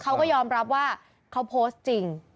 เขาก็ยอมรับว่าเขาโพสต์จริง